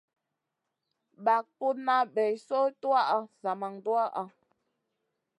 Bag putna bay soy tuwaʼa zaman duwaʼha.